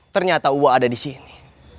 ternyata uwa ada di sini